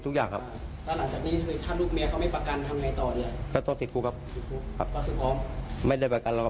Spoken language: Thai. แต่เขาบอกว่าจริงตรงนั้นเราไม่ได้มีปัญหาคลาด